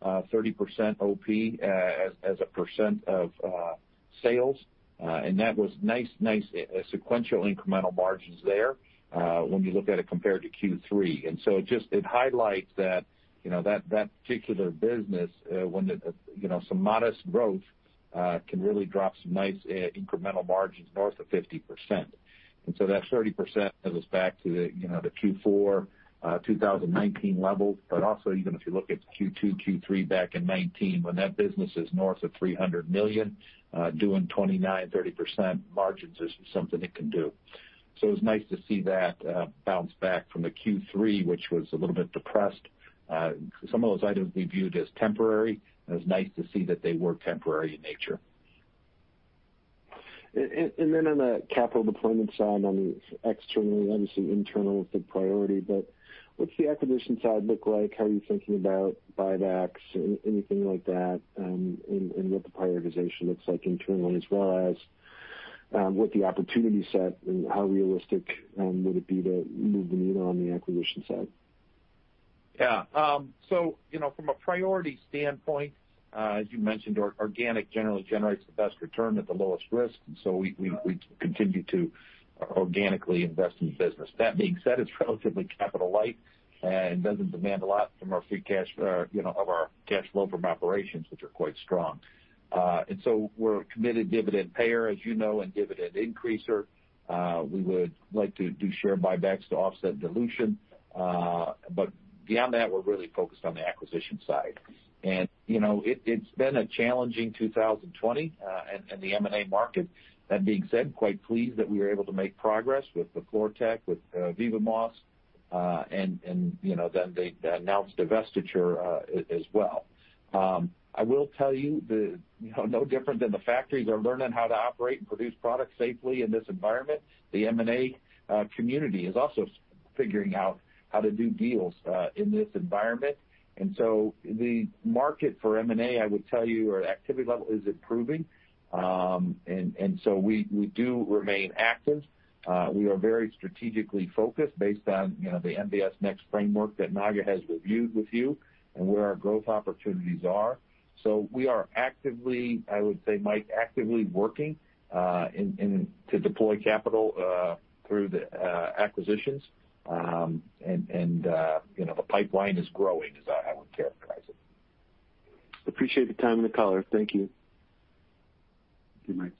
30% OP as a percent of sales. That was nice sequential incremental margins there when you look at it compared to Q3. It highlights that particular business when some modest growth can really drop some nice incremental margins north of 50%. That 30% was back to the Q4 2019 levels. Also, even if you look at Q2, Q3 back in 2019, when that business is north of $300 million, doing 29%-30% margins is something it can do. It was nice to see that bounce back from the Q3, which was a little bit depressed. Some of those items we viewed as temporary, and it was nice to see that they were temporary in nature. On the capital deployment side, I mean, externally, obviously internal is the priority, but what's the acquisition side look like? How are you thinking about buybacks and anything like that, and what the prioritization looks like internally, as well as what the opportunity set, and how realistic would it be to move the needle on the acquisition side? Yeah. From a priority standpoint, as you mentioned, organic generally generates the best return at the lowest risk. We continue to organically invest in the business. That being said, it's relatively capital light and doesn't demand a lot from our free cash flow from operations, which are quite strong. We're a committed dividend payer, as you know, and dividend increaser. We would like to do share buybacks to offset dilution. Beyond that, we're really focused on the acquisition side. It's been a challenging 2020 in the M&A market. That being said, quite pleased that we were able to make progress with the Fluortek, with vivaMOS, and then the announced divestiture as well. I will tell you, no different than the factories are learning how to operate and produce products safely in this environment, the M&A community is also figuring out how to do deals in this environment. The market for M&A, I would tell you, our activity level is improving. We do remain active. We are very strategically focused based on the NBS Next framework that Naga has reviewed with you and where our growth opportunities are. We are actively, I would say, Mike, actively working to deploy capital through the acquisitions. The pipeline is growing, is how I would characterize it. Appreciate the time and the call. Thank you. Thank you, Mike.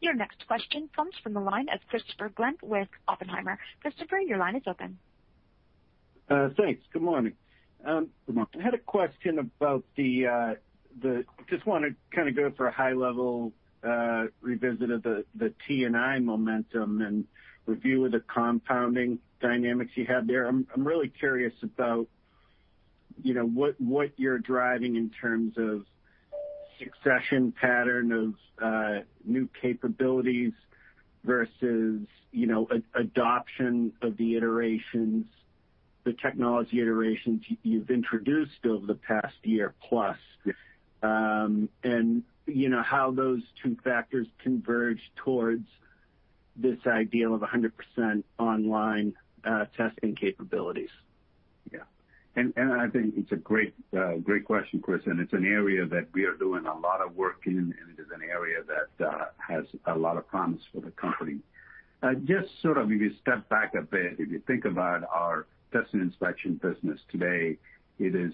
Your next question comes from the line of Christopher Glynn with Oppenheimer. Christopher, your line is open. Thanks. Good morning. Good morning. Just want to kind of go for a high-level revisit of the T&I momentum and review of the compounding dynamics you had there. I'm really curious about what you're driving in terms of succession pattern of new capabilities versus adoption of the iterations the technology iterations you've introduced over the past year plus. Yes. How those two factors converge towards this ideal of 100% online testing capabilities. Yeah. I think it's a great question, Chris, and it's an area that we are doing a lot of work in, and it is an area that has a lot of promise for the company. Just sort of, if you step back a bit, if you think about our test and inspection business today, it has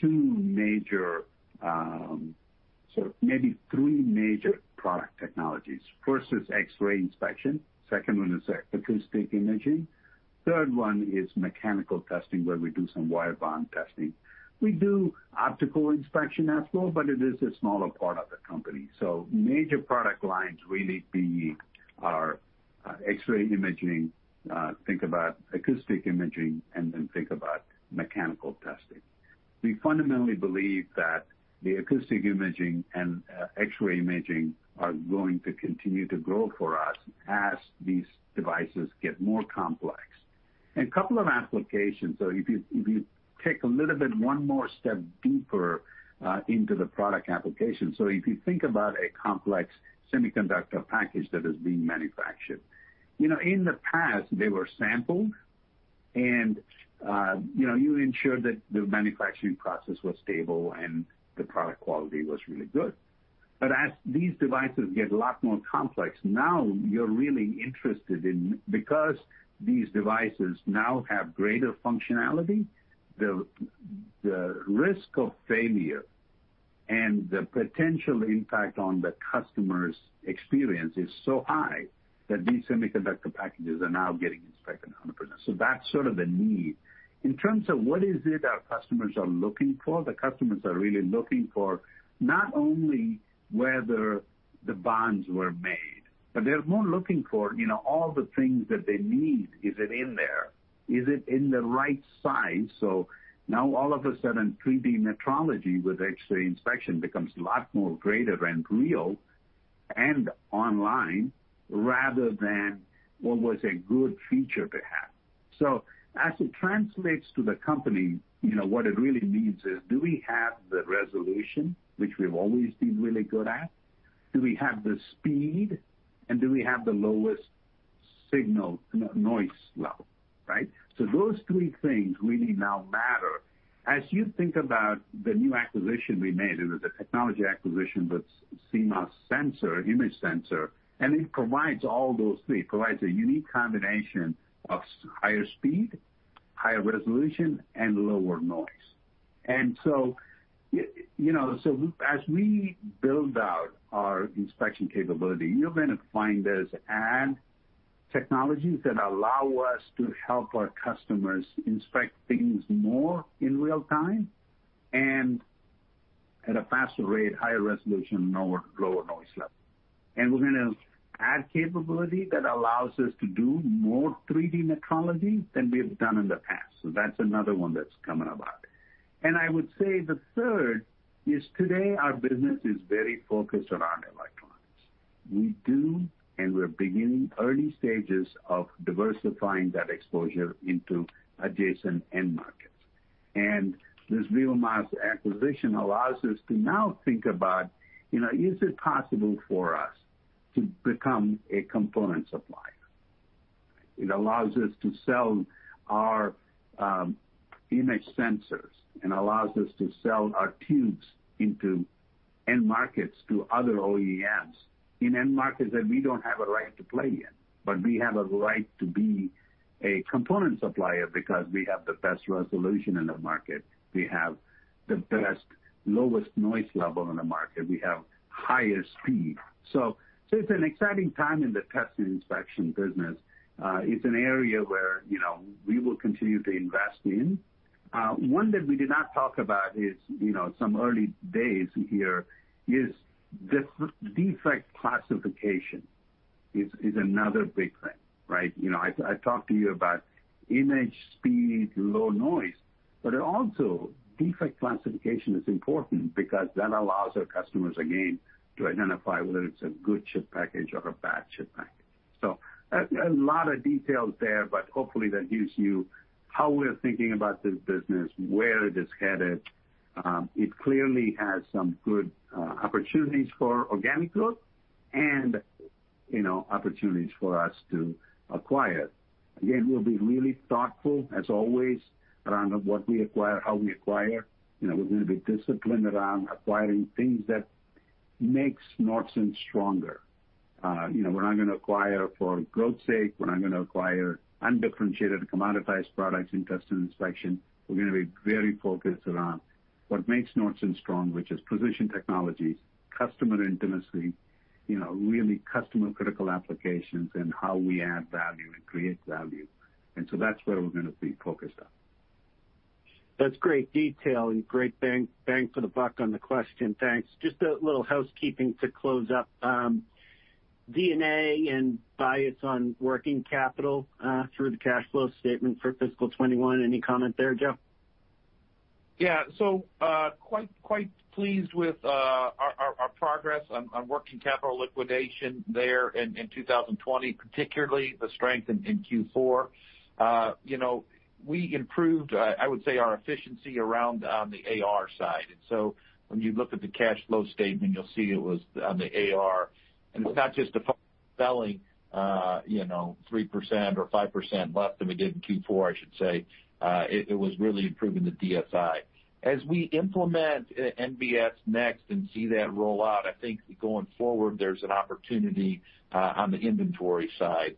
two major, sort of maybe three major product technologies. First is X-ray Inspection. Second one is acoustic imaging. Third one is mechanical testing, where we do some wire bond testing. We do optical inspection as well, but it is a smaller part of the company. Major product lines really are X-ray imaging, think about acoustic imaging, and then think about mechanical testing. We fundamentally believe that the acoustic imaging and X-ray imaging are going to continue to grow for us as these devices get more complex. Couple of applications. If you take a little bit, one more step deeper, into the product application. If you think about a complex semiconductor package that is being manufactured. In the past, they were sampled, and you ensured that the manufacturing process was stable and the product quality was really good. As these devices get a lot more complex, now you're really interested in, because these devices now have greater functionality, the risk of failure and the potential impact on the customer's experience is so high that these semiconductor packages are now getting inspected 100%. That's sort of the need. In terms of what is it our customers are looking for, the customers are really looking for not only whether the bonds were made, but they're more looking for all the things that they need. Is it in there? Is it in the right size? Now all of a sudden, 3D metrology with X-ray inspection becomes a lot more greater and real and online rather than what was a good feature to have. As it translates to the company, what it really means is, do we have the resolution, which we've always been really good at? Do we have the speed, and do we have the lowest signal noise level, right? Those three things really now matter. As you think about the new acquisition we made, and it was a technology acquisition, that's C-Max sensor, image sensor, and it provides all those three. Provides a unique combination of higher speed, higher resolution, and lower noise. As we build out our inspection capability, you're going to find us add technologies that allow us to help our customers inspect things more in real time and at a faster rate, higher resolution, lower noise level. We're going to add capability that allows us to do more 3D metrology than we've done in the past. That's another one that's coming about. I would say the third is today, our business is very focused around electronics. We do, and we're beginning early stages of diversifying that exposure into adjacent end markets. This RealMass acquisition allows us to now think about, is it possible for us to become a component supplier? It allows us to sell our image sensors and allows us to sell our tubes into end markets to other OEMs, in end markets that we don't have a right to play in. We have a right to be a component supplier because we have the best resolution in the market. We have the best, lowest noise level in the market. We have higher speed. It's an exciting time in the test and inspection business. It's an area where we will continue to invest in. One that we did not talk about is, some early days here, is this defect classification is another big thing, right? I talked to you about image speed, low noise, but also defect classification is important because that allows our customers, again, to identify whether it's a good chip package or a bad chip package. A lot of details there, but hopefully that gives you how we're thinking about this business, where it is headed. It clearly has some good opportunities for organic growth and opportunities for us to acquire. Again, we'll be really thoughtful, as always, around what we acquire, how we acquire. We're going to be disciplined around acquiring things that makes Nordson stronger. We're not going to acquire for growth's sake. We're not going to acquire undifferentiated commoditized products in test and inspection. We're going to be very focused around what makes Nordson strong, which is precision technologies, customer intimacy, really customer-critical applications, and how we add value and create value. So that's where we're going to be focused on. That's great detail and great bang for the buck on the question. Thanks. Just a little housekeeping to close up. D&A and bias on working capital, through the cash flow statement for fiscal 2021. Any comment there, Joe? Yeah. Quite pleased with our progress on working capital liquidation there in 2020, particularly the strength in Q4. We improved, I would say, our efficiency around on the AR side. When you look at the cash flow statement, you'll see it was on the AR. It's not just the selling 3% or 5% left than we did in Q4, I should say. It was really improving the DSO. As we implement NBS Next and see that roll out, I think going forward, there's an opportunity on the inventory side.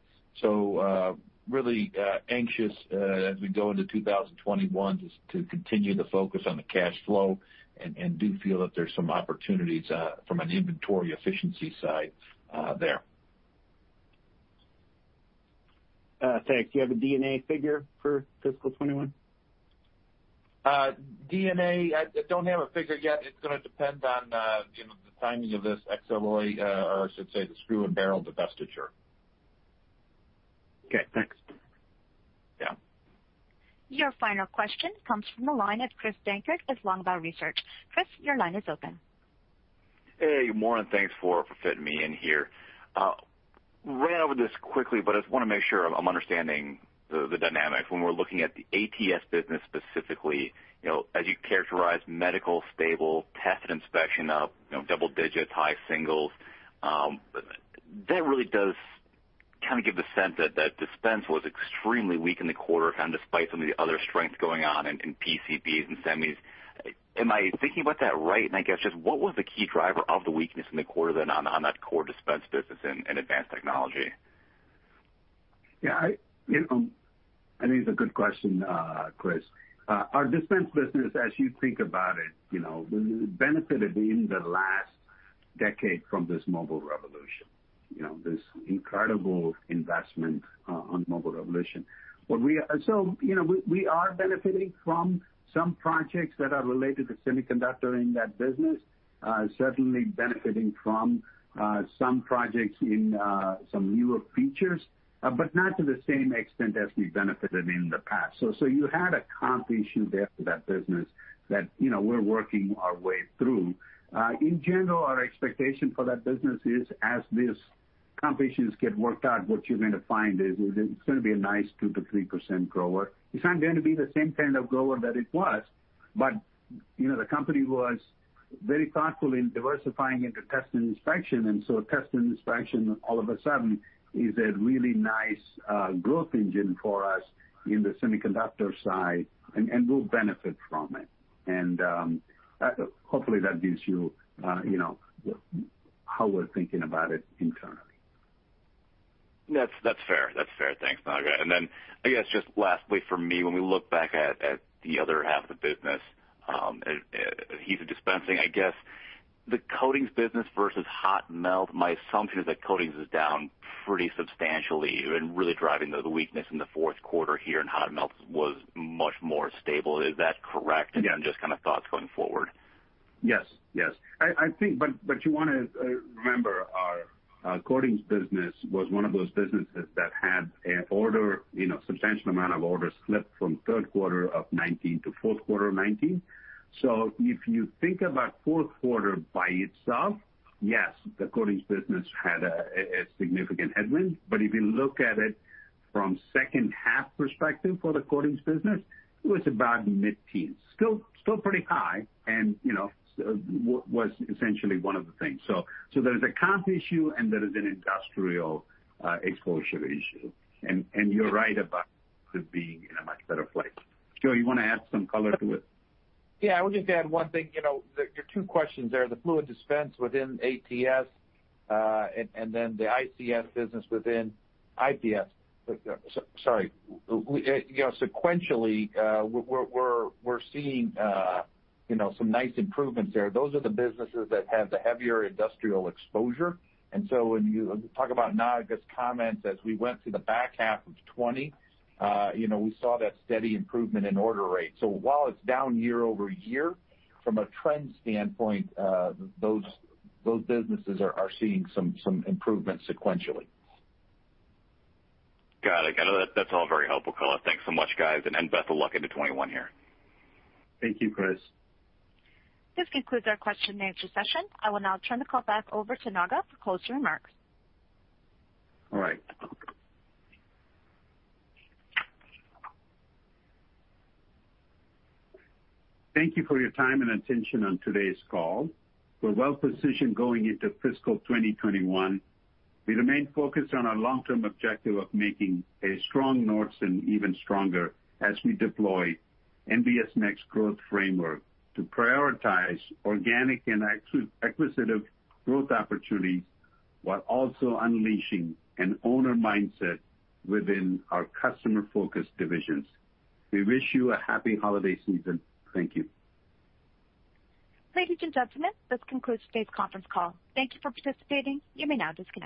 Really anxious as we go into 2021, just to continue to focus on the cash flow and do feel that there's some opportunities from an inventory efficiency side there. Thanks. Do you have a D&A figure for fiscal 2021? D&A, I don't have a figure yet. It's going to depend on the timing of this Xaloy or I should say, the screw and barrel divestiture. Okay, thanks. Yeah. Your final question comes from the line of Chris Dankert with Longbow Research. Chris, your line is open. Hey, good morning. Thanks for fitting me in here. Ran over this quickly, but I just want to make sure I'm understanding the dynamics. When we're looking at the ATS business specifically, as you characterize medical stable, test and inspection up double digits, high singles. That really does kind of give the sense that dispense was extremely weak in the quarter, kind of despite some of the other strengths going on in PCBs and semis. Am I thinking about that right? I guess just what was the key driver of the weakness in the quarter then on that core dispense business in Advanced Technology? I think it's a good question, Chris. Our dispense business, as you think about it, benefited in the last decade from this mobile revolution, this incredible investment on mobile revolution. We are benefiting from some projects that are related to semiconductor in that business. Certainly benefiting from some projects in some newer features, but not to the same extent as we benefited in the past. You had a comp issue there for that business that we're working our way through. In general, our expectation for that business is as these comp issues get worked out, what you're going to find is it's going to be a nice 2%-3% grower. It's not going to be the same kind of grower that it was, but the company was very thoughtful in diversifying into test and inspection. Test and inspection, all of a sudden, is a really nice growth engine for us in the semiconductor side, and we'll benefit from it. Hopefully, that gives you how we're thinking about it internally. That's fair. Thanks, Naga. I guess just lastly from me, when we look back at the other half of the business, heat and dispensing, I guess the coatings business versus hot melt, my assumption is that coatings is down pretty substantially and really driving the weakness in the fourth quarter here, and hot melt was much more stable. Is that correct? Yeah. Just kind of thoughts going forward. Yes. You want to remember, our coatings business was one of those businesses that had a substantial amount of orders slipped from third quarter of 2019 to fourth quarter 2019. If you think about fourth quarter by itself, yes, the coatings business had a significant headwind. If you look at it from second half perspective for the coatings business, it was about mid-teens. Still pretty high and was essentially one of the things. There is a comp issue and there is an industrial exposure issue. You're right about it being in a much better place. Joe, you want to add some color to it? Yeah, I would just add one thing. There are two questions there. The fluid dispense within ATS, and then the ICS business within IPS. Sorry. Sequentially, we're seeing some nice improvements there. Those are the businesses that have the heavier industrial exposure. When you talk about Naga's comments as we went through the back half of 2020, we saw that steady improvement in order rates. While it's down year-over-year, from a trend standpoint, those businesses are seeing some improvement sequentially. Got it. That's all very helpful color. Thanks so much, guys, and best of luck into 2021 here. Thank you, Chris. This concludes our question-and-answer session. I will now turn the call back over to Naga for closing remarks. All right. Thank you for your time and attention on today's call. We're well positioned going into fiscal 2021. We remain focused on our long-term objective of making a strong Nordson even stronger as we deploy NBS Next growth framework to prioritize organic and acquisitive growth opportunities while also unleashing an owner mindset within our customer-focused divisions. We wish you a happy holiday season. Thank you. Ladies and gentlemen, this concludes today's conference call. Thank you for participating. You may now disconnect.